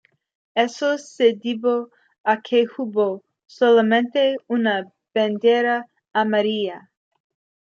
Esto se debió a que hubo solamente una bandera amarilla.